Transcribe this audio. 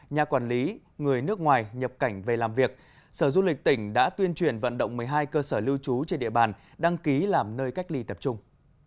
nhà quản lý người nước ngoài nhập cảnh về làm việc sở du lịch tỉnh đã tuyên truyền vận động một mươi hai cơ sở lưu trú trên địa bàn đăng ký làm nơi cách ly tập trung